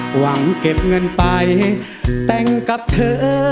หวังเก็บเงินไปแต่งกับเธอ